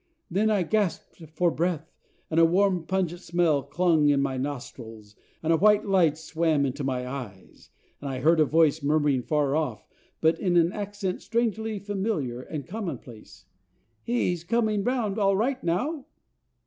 Then I gasped for breath, and a warm pungent smell clung in my nostrils, and a white light swam into my eyes, and I heard a voice murmuring far off, but in an accent strangely familiar and commonplace, "He's coming round all right now."